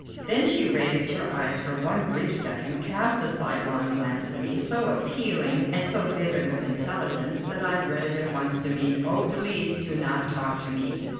Then she raised her eyes for one brief second, cast a sidelong glance at me, so appealing and so vivid with intelligence, that I read it at once to mean, "Oh, please do not talk to me."